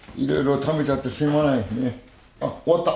あっ終わった？